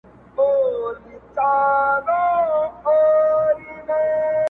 o سړی پوه وو چي غمی مي قېمتي دی,